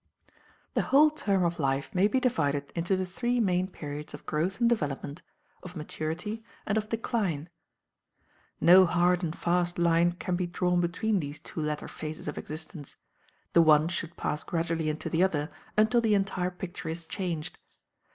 The whole term of life may be divided into the three main periods of growth and development, of maturity, and of decline. No hard and fast line can be drawn between these two latter phases of existence: the one should pass gradually into the other until the entire picture is changed.